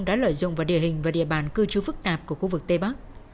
đã lợi dụng vào địa hình và địa bàn cư trú phức tạp của khu vực tây bắc